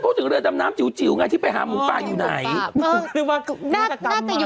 คิดว่าไม่จัดตั้มอย่างนี้